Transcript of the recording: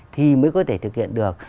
thì mới có thể thực hiện được